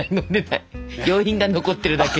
余韻が残ってるだけ。